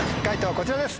こちらです。